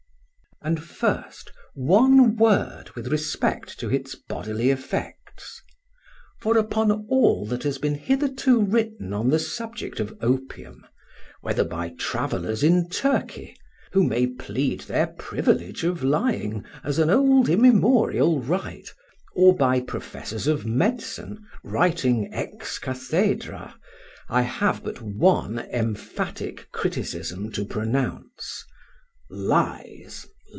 And first, one word with respect to its bodily effects; for upon all that has been hitherto written on the subject of opium, whether by travellers in Turkey (who may plead their privilege of lying as an old immemorial right), or by professors of medicine, writing ex cathedra, I have but one emphatic criticism to pronounce—Lies!